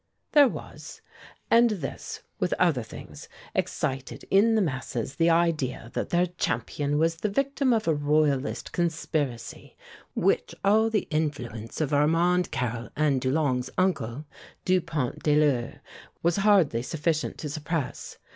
"There was, and this, with other things, excited in the masses the idea that their champion was the victim of a Royalist conspiracy, which all the influence of Armand Carrel and Dulong's uncle, Dupont de l'Eure was hardly sufficient to suppress.